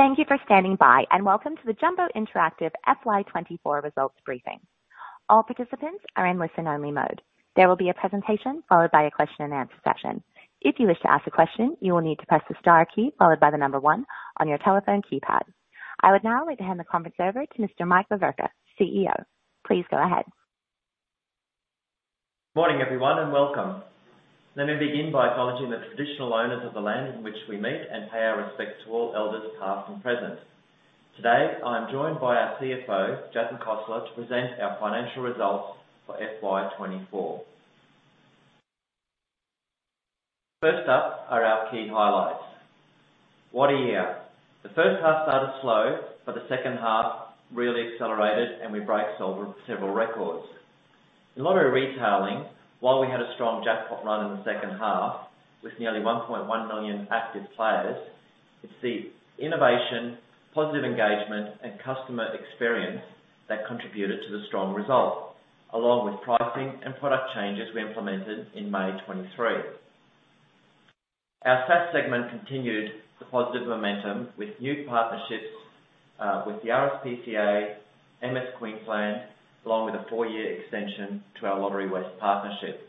Thank you for standing by, and welcome to the Jumbo Interactive FY 2024 results briefing. All participants are in listen-only mode. There will be a presentation, followed by a question and answer session. If you wish to ask a question, you will need to press the star key followed by the number one on your telephone keypad. I would now like to hand the conference over to Mr. Mike Veverka, CEO. Please go ahead. Morning, everyone, and welcome. Let me begin by acknowledging the traditional owners of the land in which we meet and pay our respects to all elders, past and present. Today, I'm joined by our CFO, Jatin Khosla, to present our financial results for FY 2024. First up are our key highlights. What a year! The first half started slow, but the second half really accelerated, and we broke over several records. In Lottery Retailing, while we had a strong jackpot run in the second half, with nearly 1.1 million active players, it's the innovation, positive engagement, and customer experience that contributed to the strong result, along with pricing and product changes we implemented in May 2023. Our SaaS segment continued the positive momentum with new partnerships with the RSPCA, MS Queensland, along with a four-year extension to our Lotterywest partnership.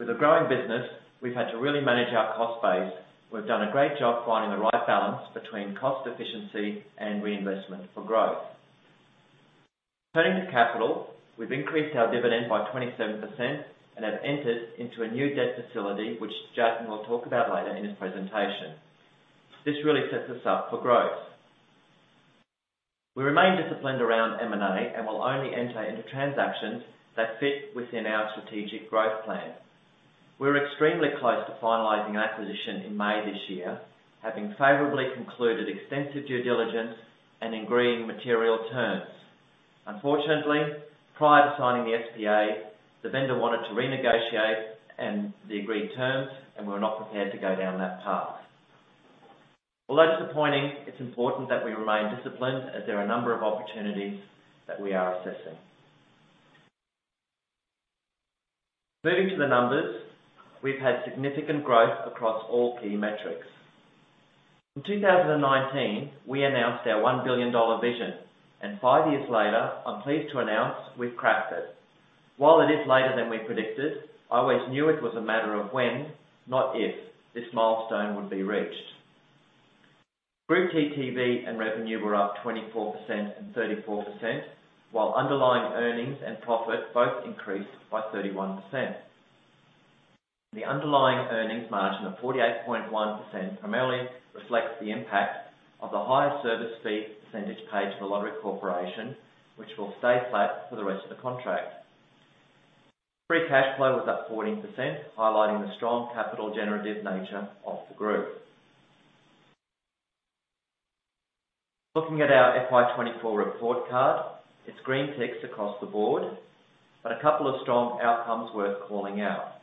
With a growing business, we've had to really manage our cost base. We've done a great job finding the right balance between cost efficiency and reinvestment for growth. Turning to capital, we've increased our dividend by 27% and have entered into a new debt facility, which Jatin will talk about later in his presentation. This really sets us up for growth. We remain disciplined around M&A and will only enter into transactions that fit within our strategic growth plan. We were extremely close to finalizing acquisition in May this year, having favorably concluded extensive due diligence and agreeing material terms. Unfortunately, prior to signing the SPA, the vendor wanted to renegotiate and the agreed terms, and we're not prepared to go down that path. Although disappointing, it's important that we remain disciplined as there are a number of opportunities that we are assessing. Moving to the numbers, we've had significant growth across all key metrics. In 2019, we announced our 1 billion dollar vision, and five years later, I'm pleased to announce we've cracked it. While it is later than we predicted, I always knew it was a matter of when, not if, this milestone would be reached. Group TTV and revenue were up 24% and 34%, while underlying earnings and profit both increased by 31%. The underlying earnings margin of 48.1% primarily reflects the impact of the higher service fee percentage paid to The Lottery Corporation, which will stay flat for the rest of the contract. Free cash flow was up 14%, highlighting the strong capital generative nature of the group. Looking at our FY 2024 report card, it's green ticks across the board, but a couple of strong outcomes worth calling out.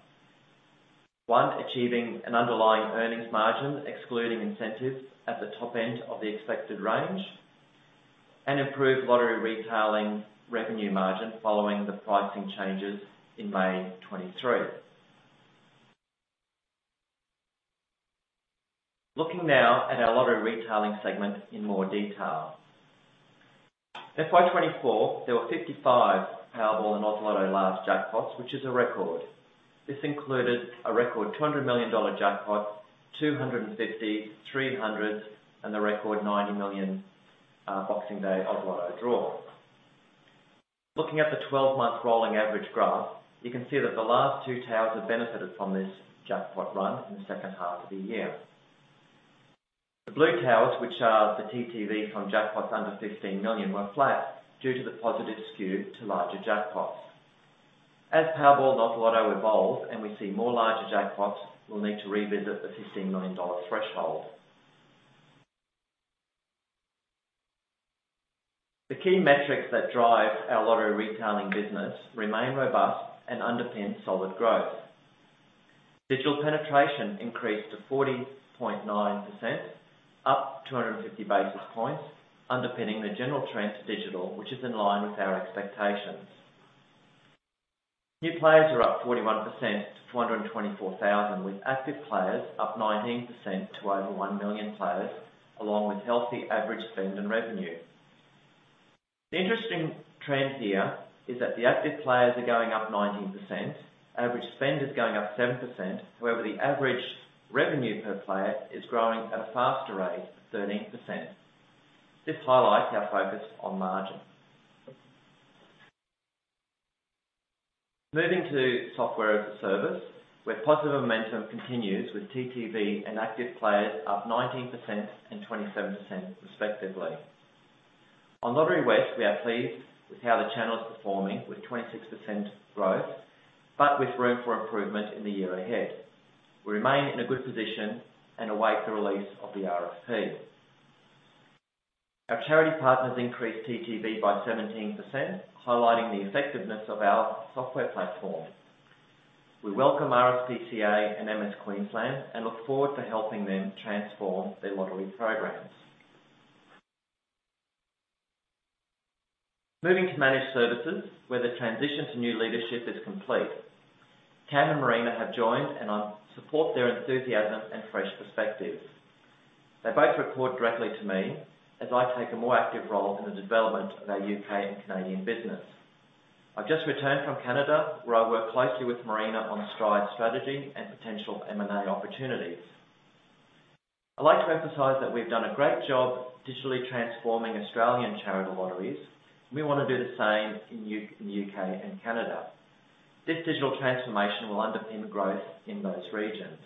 One, achieving an underlying earnings margin, excluding incentives at the top end of the expected range, and improved Lottery Retailing revenue margin following the pricing changes in May 2023. Looking now at our Lottery Retailing segment in more detail. FY 2024, there were 55 Powerball and Oz Lotto large jackpots, which is a record. This included a record 200 million dollar jackpot, 250 million, AUD 300 million, and the record 90 million Boxing Day Oz Lotto draw. Looking at the 12-month rolling average graph, you can see that the last two towers have benefited from this jackpot run in the second half of the year. The blue towers, which are the TTV from jackpots under 15 million, were flat due to the positive skew to larger jackpots. As Powerball, Oz Lotto evolves and we see more larger jackpots, we'll need to revisit the 15 million dollar threshold. The key metrics that drive our lottery retailing business remain robust and underpin solid growth. Digital penetration increased to 40.9%, up 250 basis points, underpinning the general trend to digital, which is in line with our expectations. New players are up 41% to 424,000, with active players up 19% to over 1 million players, along with healthy average spend and revenue. The interesting trend here is that the active players are going up 19%, average spend is going up 7%, however, the average revenue per player is growing at a faster rate of 13%. This highlights our focus on margin. Moving to Software as a Service, where positive momentum continues with TTV and active players up 19% and 27% respectively. On Lotterywest, we are pleased with how the channel is performing with 26% growth, but with room for improvement in the year ahead. We remain in a good position and await the release of the RFP. Our charity partners increased TTV by 17%, highlighting the effectiveness of our software platform. We welcome RSPCA and MS Queensland and look forward to helping them transform their lottery programs... Moving to managed services, where the transition to new leadership is complete. Tam and Marina have joined, and I support their enthusiasm and fresh perspectives. They both report directly to me as I take a more active role in the development of our U.K. and Canadian business. I've just returned from Canada, where I worked closely with Marina on Stride's strategy and potential M&A opportunities. I'd like to emphasize that we've done a great job digitally transforming Australian charitable lotteries. We want to do the same in the U.K. and Canada. This digital transformation will underpin growth in those regions,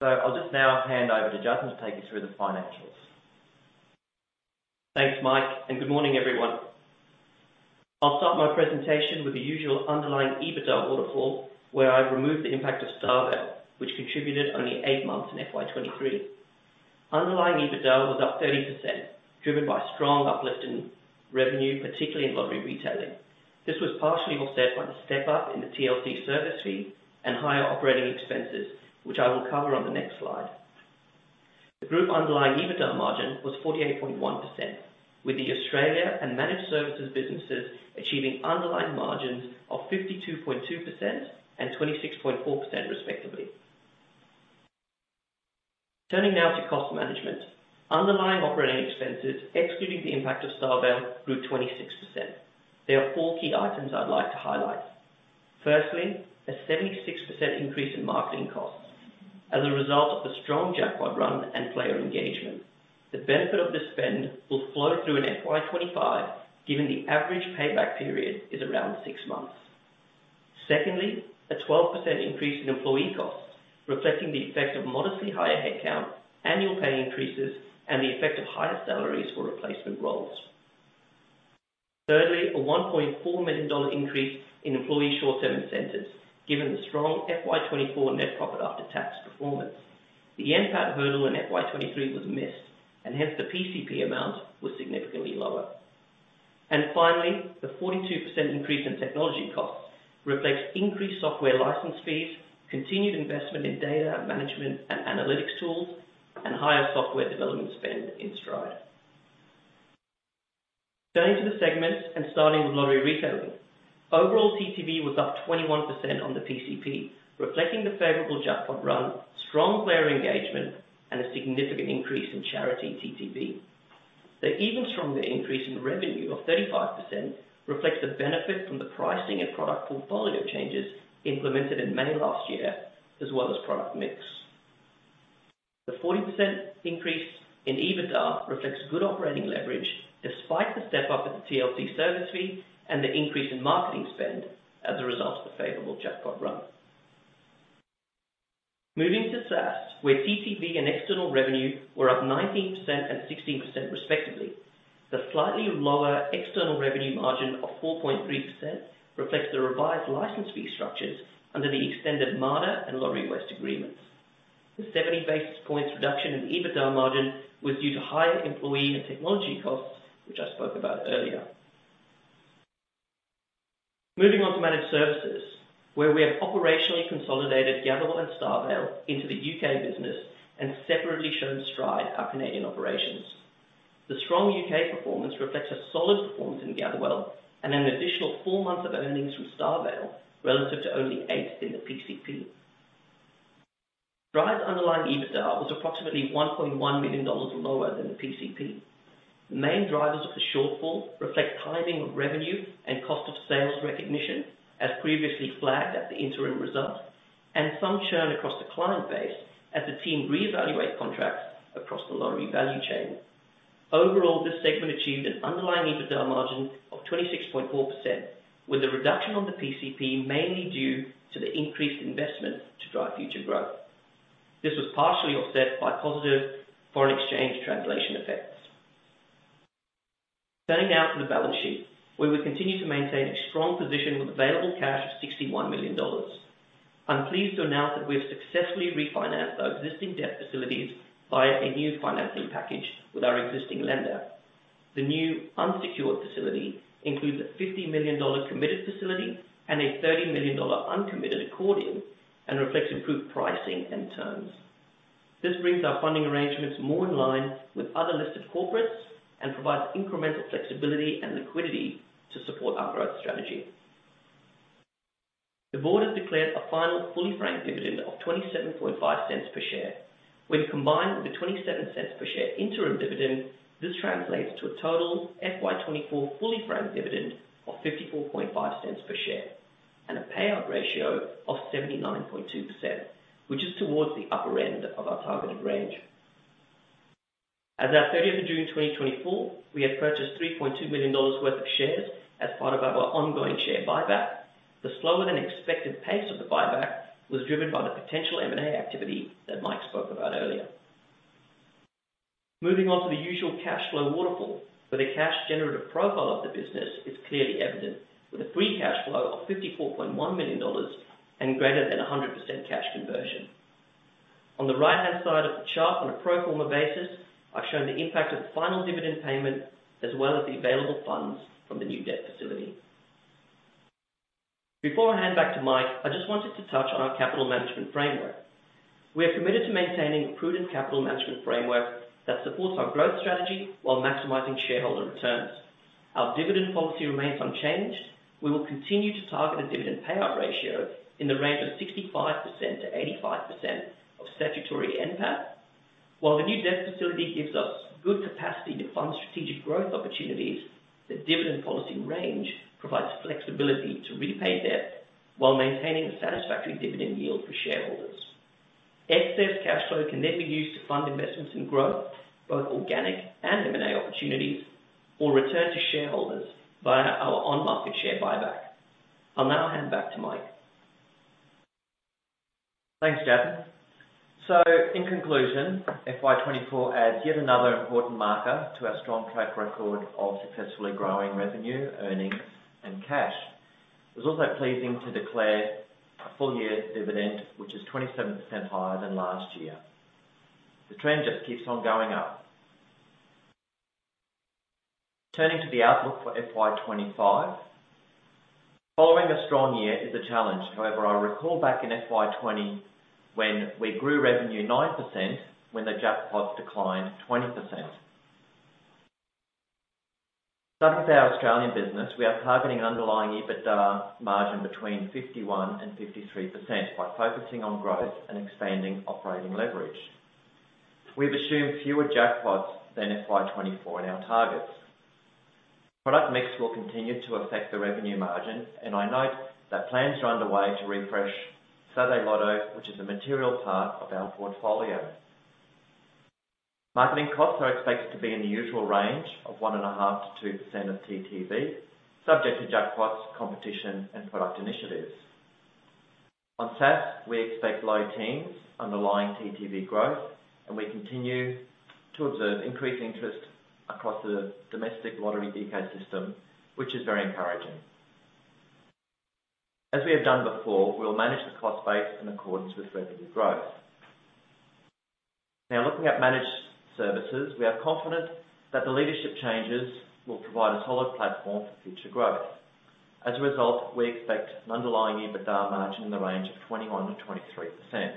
so I'll just now hand over to Jatin to take you through the financials. Thanks, Mike, and good morning, everyone. I'll start my presentation with the usual underlying EBITDA waterfall, where I've removed the impact of StarVale, which contributed only eight months in FY 2023. Underlying EBITDA was up 30%, driven by strong uplift in revenue, particularly in lottery retailing. This was partially offset by the step up in the TLC service fee and higher operating expenses, which I will cover on the next slide. The group underlying EBITDA margin was 48.1%, with the Australia and managed services businesses achieving underlying margins of 52.2% and 26.4% respectively. Turning now to cost management. Underlying operating expenses, excluding the impact of StarVale, grew 26%. There are four key items I'd like to highlight. Firstly, a 76% increase in marketing costs as a result of the strong jackpot run and player engagement. The benefit of this spend will flow through in FY 2025, given the average payback period is around six months. Secondly, a 12% increase in employee costs, reflecting the effect of modestly higher headcount, annual pay increases, and the effect of higher salaries for replacement roles. Thirdly, an 1.4 million dollar increase in employee short-term incentives, given the strong FY 2024 net profit after tax performance. The NPAT hurdle in FY 2023 was missed, and hence the PCP amount was significantly lower. And finally, the 42% increase in technology costs reflects increased software license fees, continued investment in data management and analytics tools, and higher software development spend in Stride. Turning to the segments and starting with lottery retailing. Overall, TTV was up 21% on the PCP, reflecting the favorable jackpot run, strong player engagement, and a significant increase in charity TTV. The even stronger increase in revenue of 35% reflects the benefit from the pricing and product portfolio changes implemented in May last year, as well as product mix. The 40% increase in EBITDA reflects good operating leverage despite the step up in the TLC service fee and the increase in marketing spend as a result of the favorable jackpot run. Moving to SaaS, where TTV and external revenue were up 19% and 16%, respectively. The slightly lower external revenue margin of 4.3% reflects the revised license fee structures under the extended Mater and Lotterywest agreements. The 70 basis points reduction in EBITDA margin was due to higher employee and technology costs, which I spoke about earlier. Moving on to managed services, where we have operationally consolidated Gatherwell and StarVale into the U.K. business and separately shown Stride, our Canadian operations. The strong U.K. performance reflects a solid performance in Gatherwell and an additional four months of earnings from StarVale, relative to only eight in the PCP. Stride's underlying EBITDA was approximately 1.1 million dollars lower than the PCP. The main drivers of the shortfall reflect timing of revenue and cost of sales recognition, as previously flagged at the interim results, and some churn across the client base as the team reevaluate contracts across the lottery value chain. Overall, this segment achieved an underlying EBITDA margin of 26.4%, with the reduction on the PCP mainly due to the increased investment to drive future growth. This was partially offset by positive foreign exchange translation effects. Turning now to the balance sheet, where we continue to maintain a strong position with available cash of 61 million dollars. I'm pleased to announce that we've successfully refinanced our existing debt facilities via a new financing package with our existing lender. The new unsecured facility includes a 50 million dollar committed facility and a 30 million dollar uncommitted accordion, and reflects improved pricing and terms. This brings our funding arrangements more in line with other listed corporates and provides incremental flexibility and liquidity to support our growth strategy. The board has declared a final fully franked dividend of 0.275 per share. When combined with the 0.27 per share interim dividend, this translates to a total FY 2024 fully franked dividend of 0.545 per share, and a payout ratio of 79.2%, which is towards the upper end of our targeted range. As at 30th of June 2024, we had purchased 3.2 million dollars worth of shares as part of our ongoing share buyback. The slower-than-expected pace of the buyback was driven by the potential M&A activity that Mike spoke about earlier. Moving on to the usual cash flow waterfall, where the cash generative profile of the business is clearly evident, with a free cash flow of 54.1 million dollars and greater than 100% cash conversion. On the right-hand side of the chart, on a pro forma basis, I've shown the impact of the final dividend payment as well as the available funds from the new debt facility. Before I hand back to Mike, I just wanted to touch on our capital management framework. We are committed to maintaining a prudent capital management framework that supports our growth strategy while maximizing shareholder returns. Our dividend policy remains unchanged. We will continue to target a dividend payout ratio in the range of 65% to 85% of statutory NPAT. While the new debt facility gives us good capacity to fund strategic growth opportunities, the dividend policy range provides flexibility to repay debt while maintaining a satisfactory dividend yield for shareholders. Excess cash flow can then be used to fund investments in growth, both organic and M&A opportunities, or return to shareholders via our on-market share buyback. I'll now hand back to Mike. Thanks, Jatin. So in conclusion, FY 2024 adds yet another important marker to our strong track record of successfully growing revenue, earnings, and cash. It's also pleasing to declare a full year dividend, which is 27% higher than last year. The trend just keeps on going up. Turning to the outlook for FY 2025, following a strong year is a challenge. However, I recall back in FY 2020, when we grew revenue 9% when the jackpots declined 20%. Starting with our Australian business, we are targeting an underlying EBITDA margin between 51% and 53% by focusing on growth and expanding operating leverage. We've assumed fewer jackpots than FY 2024 in our targets. Product mix will continue to affect the revenue margin, and I note that plans are underway to refresh Saturday Lotto, which is a material part of our portfolio. Marketing costs are expected to be in the usual range of 1.5%-2% of TTV, subject to jackpots, competition, and product initiatives. On SaaS, we expect low teens underlying TTV growth, and we continue to observe increased interest across the domestic lottery ecosystem, which is very encouraging. As we have done before, we'll manage the cost base in accordance with revenue growth. Now, looking at managed services, we are confident that the leadership changes will provide a solid platform for future growth. As a result, we expect an underlying EBITDA margin in the range of 21%-23%.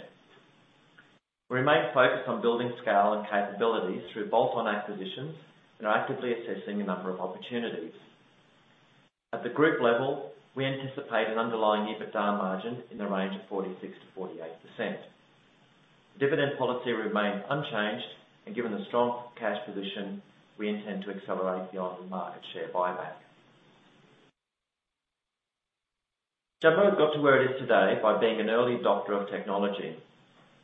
We remain focused on building scale and capabilities through bolt-on acquisitions and are actively assessing a number of opportunities. At the group level, we anticipate an underlying EBITDA margin in the range of 46%-48%. Dividend policy remains unchanged, and given the strong cash position, we intend to accelerate the on-market share buyback. Jumbo got to where it is today by being an early adopter of technology.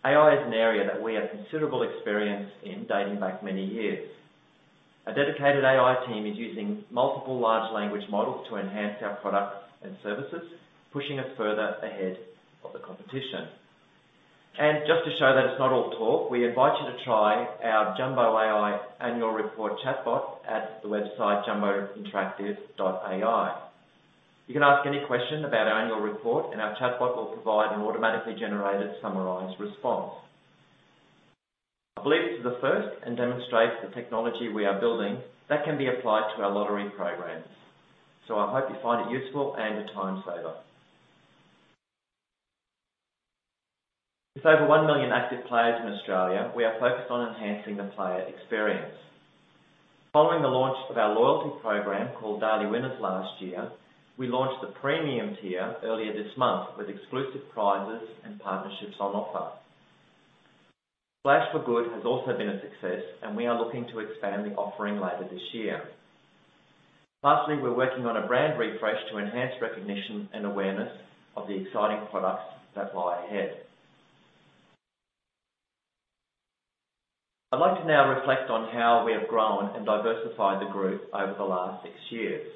AI is an area that we have considerable experience in, dating back many years. Our dedicated AI team is using multiple large language models to enhance our products and services, pushing us further ahead of the competition. And just to show that it's not all talk, we invite you to try our Jumbo AI annual report chatbot at the website jumbointeractive.ai. You can ask any question about our annual report, and our chatbot will provide an automatically generated, summarized response. I believe this is a first, and demonstrates the technology we are building that can be applied to our lottery programs. So I hope you find it useful and a time saver. With over one million active players in Australia, we are focused on enhancing the player experience. Following the launch of our loyalty program, called Daily Winners, last year, we launched the premium tier earlier this month with exclusive prizes and partnerships on offer. Splash for Good has also been a success, and we are looking to expand the offering later this year. Lastly, we're working on a brand refresh to enhance recognition and awareness of the exciting products that lie ahead. I'd like to now reflect on how we have grown and diversified the group over the last six years.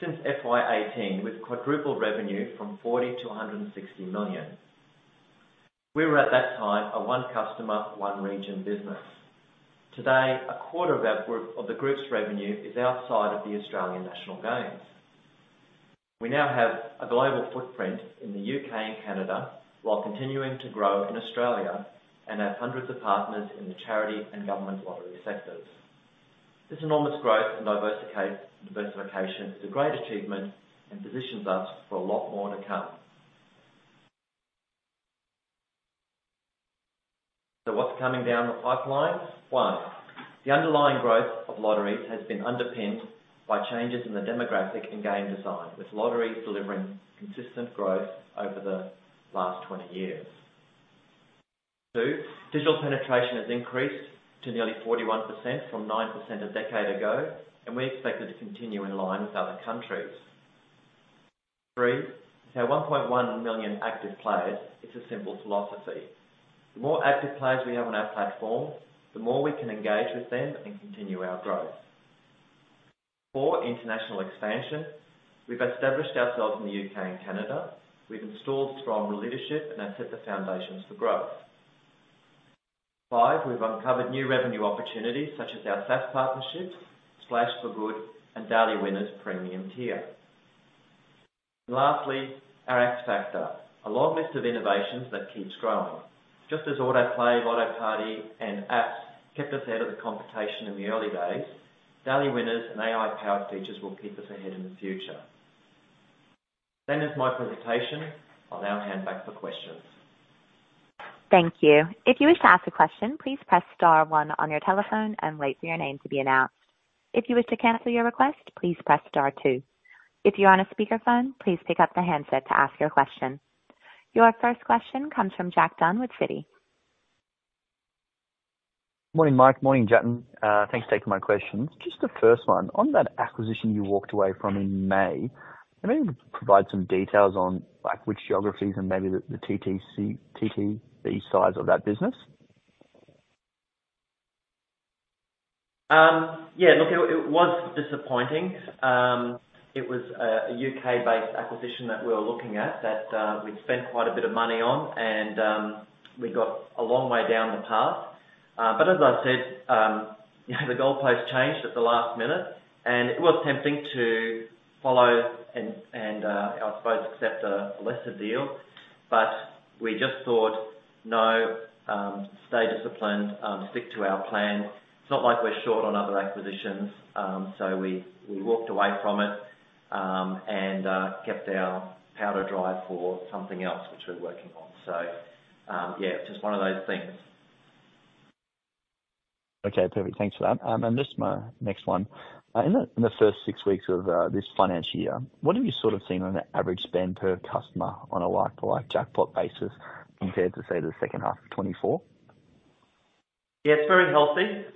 Since FY 2018, we've quadrupled revenue from 40 million to 160 million. We were, at that time, a one customer, one region business. Today, a quarter of the group's revenue is outside of the Australian national games. We now have a global footprint in the U.K. and Canada, while continuing to grow in Australia, and have hundreds of partners in the charity and government lottery sectors. This enormous growth and diversification is a great achievement and positions us for a lot more to come. So what's coming down the pipeline? One, the underlying growth of lotteries has been underpinned by changes in the demographic and game design, with lotteries delivering consistent growth over the last 20 years. Two, digital penetration has increased to nearly 41% from 9% a decade ago, and we expect it to continue in line with other countries. Three, our 1.1 million active players is a simple philosophy. The more active players we have on our platform, the more we can engage with them and continue our growth. Four, international expansion. We've established ourselves in the U.K. and Canada. We've installed strong leadership and have set the foundations for growth. Five, we've uncovered new revenue opportunities, such as our SaaS partnerships, Splash for Good, and Daily Winners Premium tier. And lastly, a long list of innovations that keeps growing. Just as Lotto Play, Lotto Party, and apps kept us ahead of the competition in the early days, Daily Winners and AI-powered features will keep us ahead in the future. That is my presentation. I'll now hand back for questions. Thank you. If you wish to ask a question, please press star one on your telephone and wait for your name to be announced. If you wish to cancel your request, please press star two. If you're on a speakerphone, please pick up the handset to ask your question. Your first question comes from Jack Dunn with Citi. Morning, Mike. Morning, Jatin. Thanks for taking my questions. Just the first one. On that acquisition you walked away from in May, can you provide some details on, like, which geographies and maybe the TTV size of that business? Yeah, look, it was disappointing. It was a U.K.-based acquisition that we were looking at that we'd spent quite a bit of money on, and we got a long way down the path. But as I said, you know, the goalpost changed at the last minute, and it was tempting to follow, I suppose, accept a lesser deal. But we just thought, "No, stay disciplined, stick to our plan." It's not like we're short on other acquisitions. So we walked away from it, and kept our powder dry for something else, which we're working on. So yeah, just one of those things. Okay, perfect. Thanks for that. And just my next one. In the first six weeks of this financial year, what have you sort of seen on an average spend per customer on a like-for-like jackpot basis compared to, say, the second half of 2024? Yeah, it's very healthy.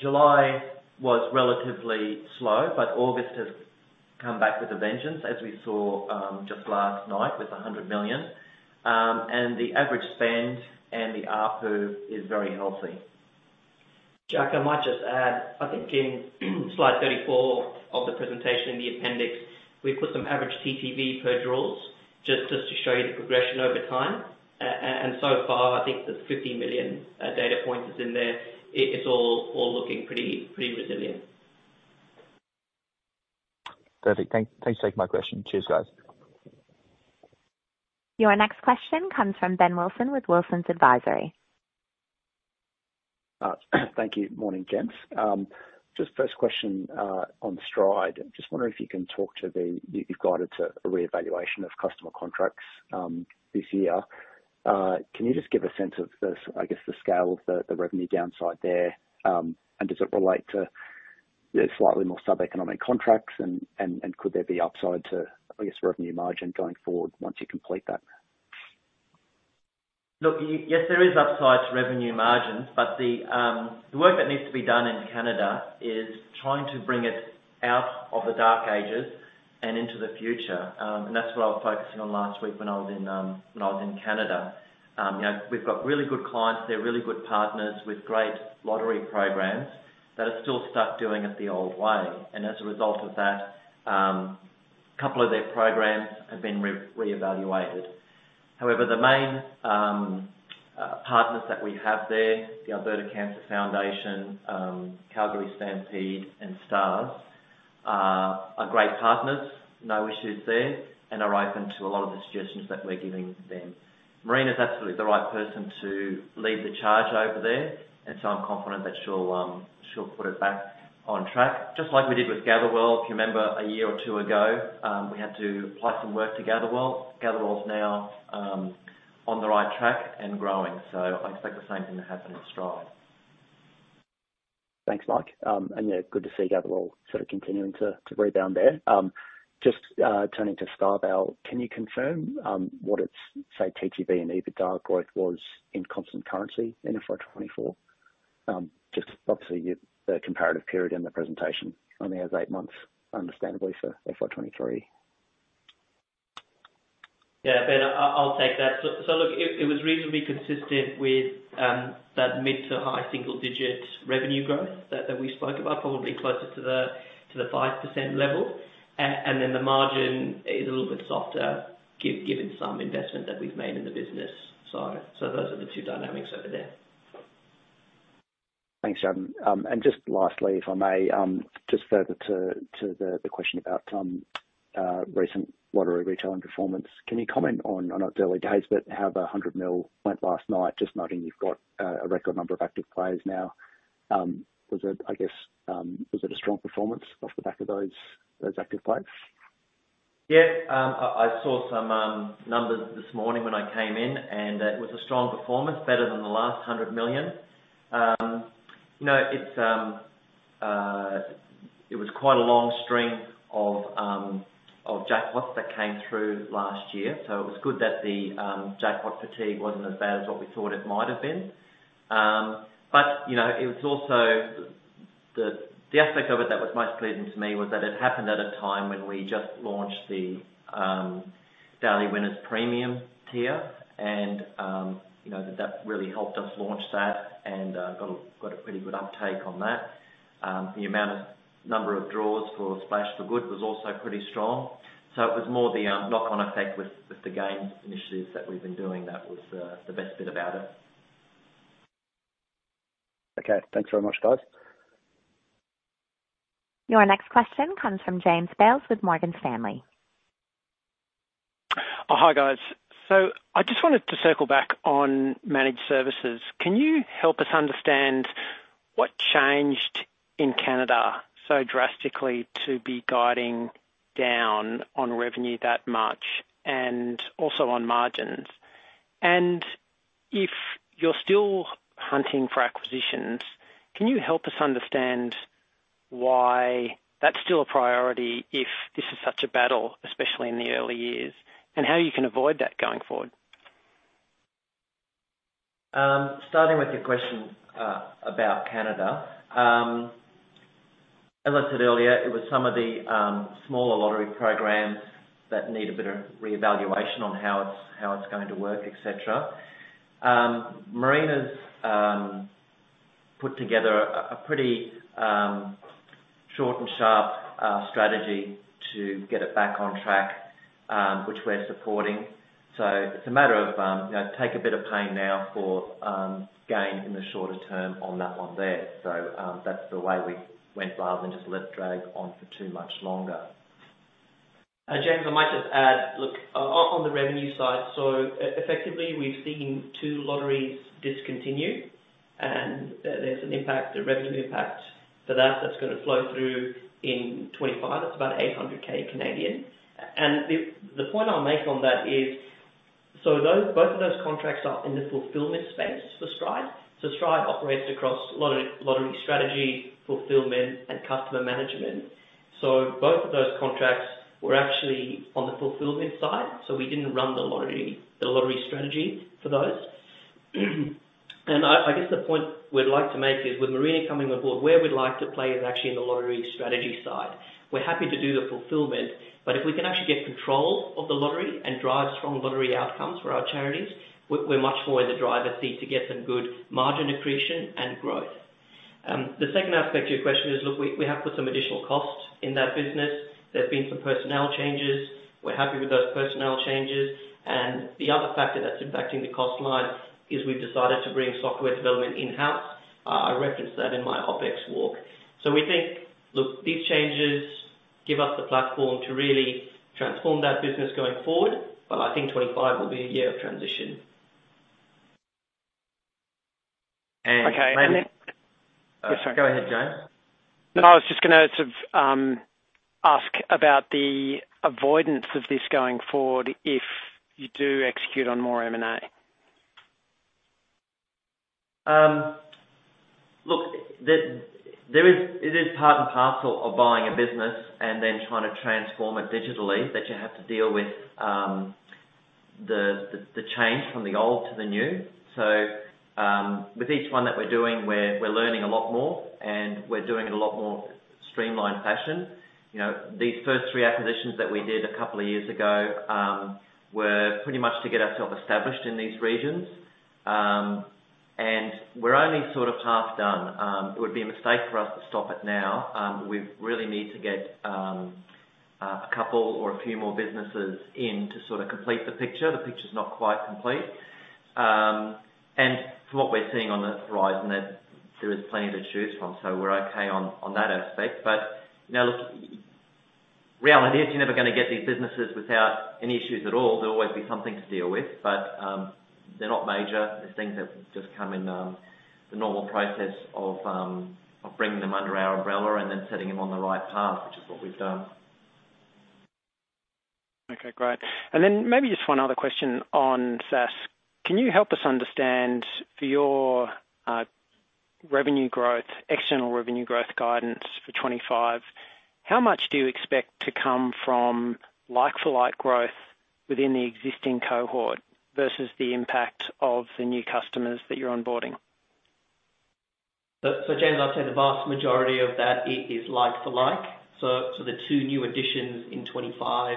July was relatively slow, but August has come back with a vengeance, as we saw, just last night with 100 million. And the average spend and the ARPU is very healthy. Jack, I might just add, I think in slide 34 of the presentation in the appendix, we put some average TTV per draws, just to show you the progression over time. And so far, I think the 50 million data point is in there. It's all looking pretty resilient. Perfect. Thanks for taking my question. Cheers, guys. Your next question comes from Ben Wilson with Wilsons Advisory. Thank you. Morning, gents. Just first question on Stride. Just wondering if you can talk to the, you, you've guided to a reevaluation of customer contracts this year. Can you just give a sense of the, I guess, the scale of the revenue downside there? Does it relate to the slightly more sub-economic contracts and could there be upside to, I guess, revenue margin going forward once you complete that? Look, yes, there is upside to revenue margins, but the work that needs to be done in Canada is trying to bring it out of the dark ages and into the future, and that's what I was focusing on last week when I was in Canada. You know, we've got really good clients. They're really good partners with great lottery programs that are still stuck doing it the old way, and as a result of that, a couple of their programs have been reevaluated. However, the main partners that we have there, the Alberta Cancer Foundation, Calgary Stampede, and STARS, are great partners, no issues there, and are open to a lot of the suggestions that we're giving to them. Marina's absolutely the right person to lead the charge over there, and so I'm confident that she'll put it back on track, just like we did with Gatherwell. If you remember, a year or two ago, we had to apply some work to Gatherwell. Gatherwell's now on the right track and growing, so I expect the same thing to happen in Stride. Thanks, Mike. Yeah, good to see Gatherwell sort of continuing to rebound there. Just turning to StarVale, can you confirm what its, say, TTV and EBITDA growth was in constant currency in FY 2024? Just obviously, the comparative period in the presentation only has eight months, understandably, for FY 2023. Yeah, Ben, I'll take that. So look, it was reasonably consistent with that mid to high single digit revenue growth that we spoke about, probably closer to the 5% level. And then the margin is a little bit softer given some investment that we've made in the business. Those are the two dynamics over there. Thanks, Jatin. And just lastly, if I may, just further to the question about recent lottery retailing performance. Can you comment on, I know it's early days, but how the hundred mil went last night, just noting you've got a record number of active players now? Was it, I guess, was it a strong performance off the back of those active players? Yeah, I saw some numbers this morning when I came in, and it was a strong performance, better than the last 100 million. You know, it was quite a long string of jackpots that came through last year, so it was good that the jackpot fatigue wasn't as bad as what we thought it might have been. But you know, it was also the aspect of it that was most pleasing to me was that it happened at a time when we just launched the Daily Winners Premium tier, and you know, that really helped us launch that and got a pretty good uptake on that. The amount of number of draws for Splash for Good was also pretty strong. So it was more the knock-on effect with the game initiatives that we've been doing that was the best bit about it. Okay, thanks very much, guys. Your next question comes from James Bales with Morgan Stanley. Oh, hi, guys. So I just wanted to circle back on Managed Services. Can you help us understand what changed in Canada so drastically to be guiding down on revenue that much and also on margins? And if you're still hunting for acquisitions, can you help us understand why that's still a priority if this is such a battle, especially in the early years, and how you can avoid that going forward? Starting with your question about Canada. As I said earlier, it was some of the smaller lottery programs that need a bit of reevaluation on how it's going to work, et cetera. Marina's put together a pretty short and sharp strategy to get it back on track, which we're supporting. So it's a matter of you know, take a bit of pain now for gain in the shorter term on that one there. So that's the way we went rather than just let it drag on for too much longer. James, I might just add, look, on the revenue side, so effectively, we've seen two lotteries discontinue, and there's an impact, a revenue impact for that, that's gonna flow through in 2025. That's about 800,000. And the point I'll make on that is, so those both of those contracts are in the fulfillment space for Stride. So Stride operates across lottery, lottery strategy, fulfillment, and customer management. So both of those contracts were actually on the fulfillment side, so we didn't run the lottery, the lottery strategy for those. And I guess the point we'd like to make is, with Marina coming on board, where we'd like to play is actually in the lottery strategy side. We're happy to do the fulfillment, but if we can actually get control of the lottery and drive strong lottery outcomes for our charities, we're much more in the driver's seat to get some good margin accretion and growth. The second aspect to your question is, look, we have put some additional costs in that business. There have been some personnel changes. We're happy with those personnel changes, and the other factor that's impacting the cost line is we've decided to bring software development in-house. I referenced that in my OpEx walk, so we think, look, these changes give us the platform to really transform that business going forward, but I think 2025 will be a year of transition. And- Okay, and then- Go ahead, James. No, I was just gonna sort of ask about the avoidance of this going forward if you do execute on more M&A. Look, there is. It is part and parcel of buying a business and then trying to transform it digitally, that you have to deal with the change from the old to the new. So, with each one that we're doing, we're learning a lot more, and we're doing it in a lot more streamlined fashion. You know, these first three acquisitions that we did a couple of years ago were pretty much to get ourselves established in these regions, and we're only sort of half done. It would be a mistake for us to stop it now. We really need to get a couple or a few more businesses in to sort of complete the picture. The picture's not quite complete. And from what we're seeing on the horizon, there is plenty to choose from, so we're okay on that aspect. But, you know, look, reality is you're never gonna get these businesses without any issues at all. There'll always be something to deal with, but they're not major. They're things that just come in the normal process of bringing them under our umbrella and then setting them on the right path, which is what we've done. Okay, great. And then maybe just one other question on SaaS. Can you help us understand, for your revenue growth, external revenue growth guidance for 2025, how much do you expect to come from like-for-like growth within the existing cohort versus the impact of the new customers that you're onboarding? So James, I'd say the vast majority of that is like for like. So the two new additions in 2025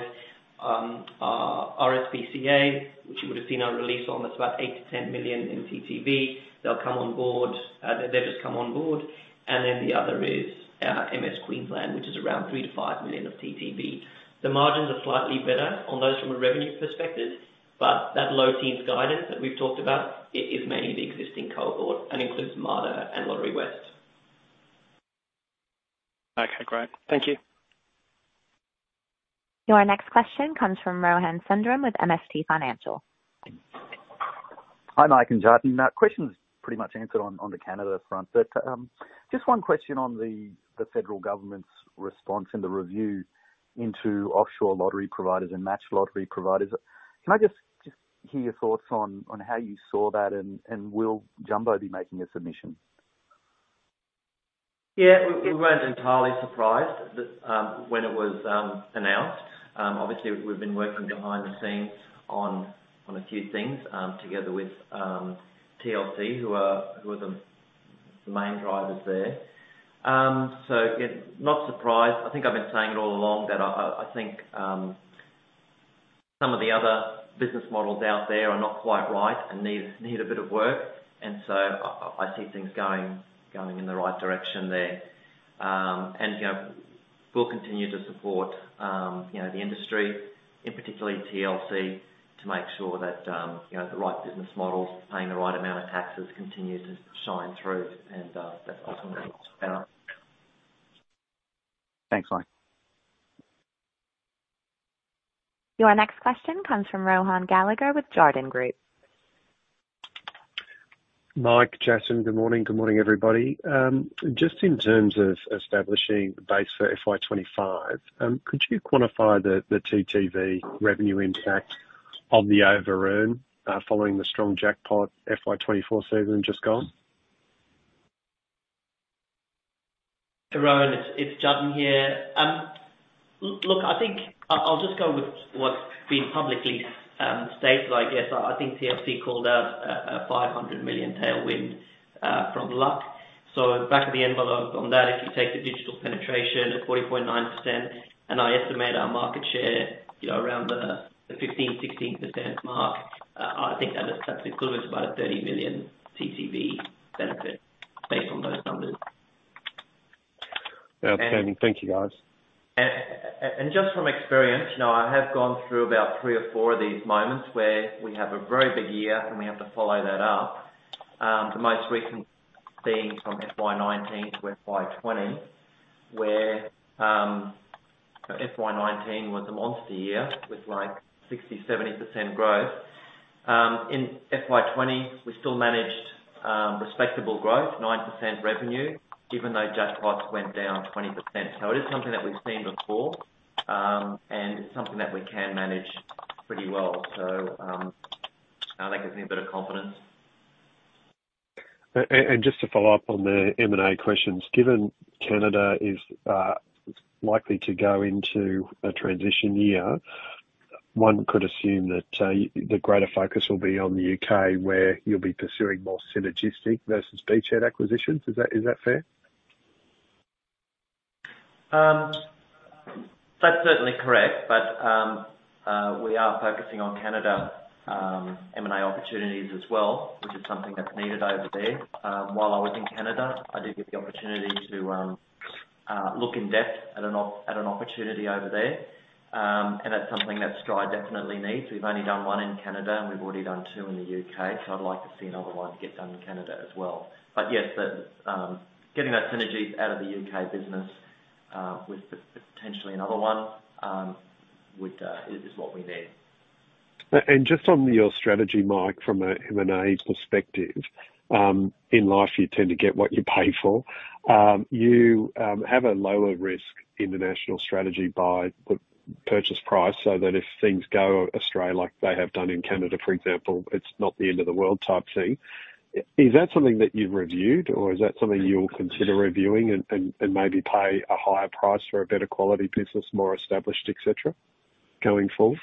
are RSPCA, which you would have seen our release on. That's about 8 million-10 million in TTV. They'll come on board, they've just come on board, and then the other is MS Queensland, which is around 3 million-5 million of TTV. The margins are slightly better on those from a revenue perspective, but that low teens guidance that we've talked about, it is mainly the existing cohort and includes Mater and Lotterywest. Okay, great. Thank you. Your next question comes from Rohan Sundram with MST Financial. Hi, Mike and Jatin. Now, question's pretty much answered on the Canada front, but just one question on the federal government's response and the review into offshore lottery providers and matched lottery providers. Can I just hear your thoughts on how you saw that and will Jumbo be making a submission? Yeah, we weren't entirely surprised that when it was announced. Obviously, we've been working behind the scenes on a few things together with TLC, who are the main drivers there. So yeah, not surprised. I think I've been saying it all along that I think some of the other business models out there are not quite right and need a bit of work, and so I see things going in the right direction there. And, you know... We'll continue to support you know the industry, in particular TLC, to make sure that you know the right business models, paying the right amount of taxes continues to shine through, and that's ultimately what's better. Thanks, Mike. Your next question comes from Rohan Gallagher with Jarden Group. Mike, Jatin, good morning. Good morning, everybody. Just in terms of establishing the base for FY 2025, could you quantify the TTV revenue impact on the over earn following the strong jackpot FY 2024 season just gone? Hey, Rohan, it's Jatin here. Look, I think I'll just go with what's been publicly stated, I guess. I think TLC called out a 500 million tailwind from luck. So back of the envelope on that, if you take the digital penetration at 40.9%, and I estimate our market share, you know, around the 15%-16% mark, I think that's equivalent to about a 30 million TTV benefit based on those numbers. Yeah. Thank you, guys. And just from experience, you know, I have gone through about three or four of these moments where we have a very big year, and we have to follow that up. The most recent being from FY 2019 to FY 2020, where FY 2019 was a monster year with like 60%-70% growth. In FY 2020, we still managed respectable growth, 9% revenue, even though jackpots went down 20%. So it is something that we've seen before, and it's something that we can manage pretty well. So that gives me a bit of confidence. Just to follow up on the M&A questions. Given Canada is likely to go into a transition year, one could assume that the greater focus will be on the U.K., where you'll be pursuing more synergistic versus beachhead acquisitions. Is that fair? That's certainly correct, but we are focusing on Canada, M&A opportunities as well, which is something that's needed over there. While I was in Canada, I did get the opportunity to look in-depth at an opportunity over there, and that's something that Stride definitely needs. We've only done one in Canada, and we've already done two in the U.K., so I'd like to see another one get done in Canada as well. But yes, getting that synergy out of the U.K. business with potentially another one is what we need. And just on your strategy, Mike, from a M&A perspective, in life, you tend to get what you pay for. You have a lower risk in the national strategy by the purchase price, so that if things go astray, like they have done in Canada, for example, it's not the end of the world type thing. Is that something that you've reviewed, or is that something you'll consider reviewing and maybe pay a higher price for a better quality business, more established, et cetera, going forward?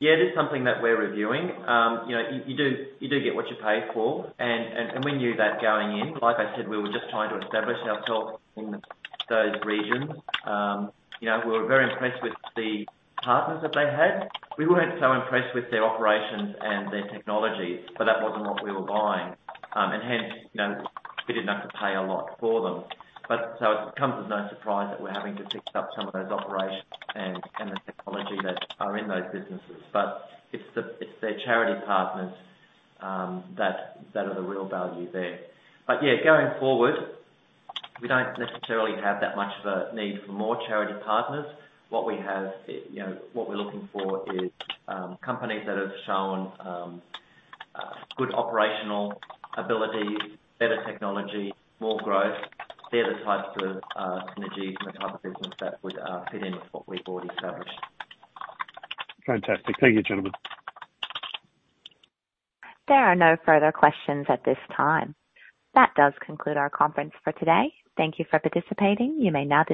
Yeah, it is something that we're reviewing. You know, you do get what you pay for, and we knew that going in. Like I said, we were just trying to establish ourselves in those regions. You know, we were very impressed with the partners that they had. We weren't so impressed with their operations and their technologies, but that wasn't what we were buying. And hence, you know, we didn't have to pay a lot for them. But so it comes as no surprise that we're having to fix up some of those operations and the technology that are in those businesses. But it's their charity partners that are the real value there. But yeah, going forward, we don't necessarily have that much of a need for more charity partners. What we have, you know, what we're looking for is good operational ability, better technology, more growth. They're the types of synergies and the type of business that would fit in with what we've already established. Fantastic. Thank you, gentlemen. There are no further questions at this time. That does conclude our conference for today. Thank you for participating. You may now disconnect.